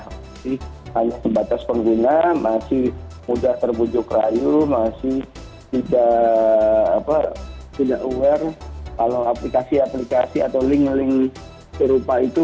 masih hanya sebatas pengguna masih mudah terbujuk rayu masih tidak aware kalau aplikasi aplikasi atau link link serupa itu